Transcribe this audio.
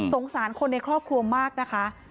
สารคนในครอบครัวมากนะคะ